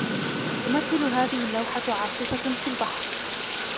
تمثل هذه اللوحة عاصفة في البحر.